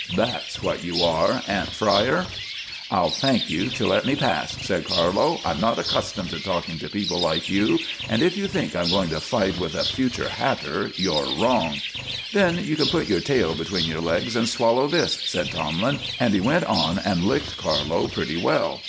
That's what you are, ant fryer." "I'll thank you to let me pass," said Carlo. "I'm not accustomed to talking to people like you, and if you think I'm going to fight with a future hatter you're wrong." "Then you can put your tail between your legs and swallow this," said Tomlin, and he went on and licked Carlo pretty well.